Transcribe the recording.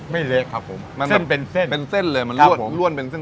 ไม่เละครับผมเส้นเป็นเส้นเป็นเส้นเลยครับผมมันรวดรวดเป็นเส้น